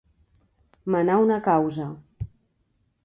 Menar una causa.